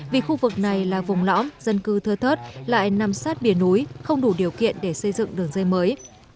vì khu vực này là vùng lõm dân cư thơ thớt lại nằm sát bìa núi không đủ điều kiện để xây dựng đường dây mới